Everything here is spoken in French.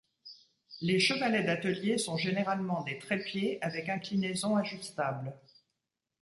Les chevalets d'atelier sont généralement des trépieds avec inclinaison ajustable.